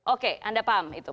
oke anda paham itu